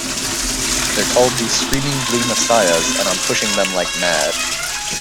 They're called The Screaming Blue Messiahs and I'm pushing them like mad.